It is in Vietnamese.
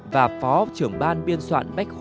và phó trưởng ban biên soạn bách sĩ đặng đình kim